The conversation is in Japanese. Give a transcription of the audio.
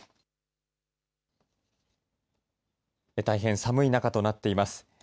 大変寒い中となっています。